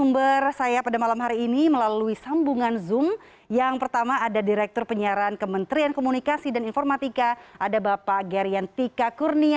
bapak agung supriyo selamat malam pak agung